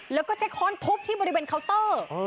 แล้วก็ใช้ค้อนทุบที่บริเวณเคาน์เตอร์